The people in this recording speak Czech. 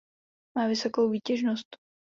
Má vysokou výtěžnost.